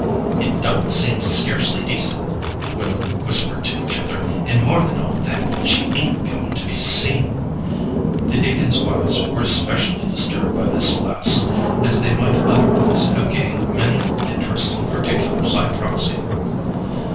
"It don't seem scarcely decent," the women whispered to each other; "and more than all that, she ain't goin' to be seen." The deacons' wives were especially disturbed by this last, as they might otherwise have gained many interesting particulars by proxy.